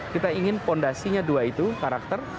kita ingin fondasinya dua itu karakter